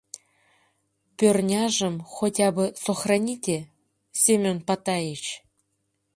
— Пӧрняжым, хотя бы, сохраните, Семён Патаич?